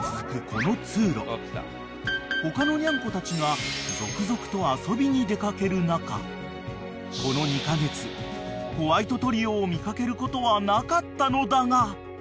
この通路他のニャンコたちが続々と遊びに出掛ける中この２カ月ホワイトトリオを見掛けることはなかったのだが］